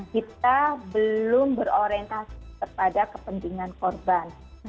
kita belum berorientasi kepada kepentingan korban